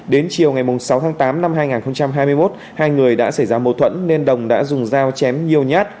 đến chiều ngày sáu tháng tám năm hai nghìn hai mươi một hai người đã xảy ra mâu thuẫn nên đồng đã dùng dao chém nhiều nhát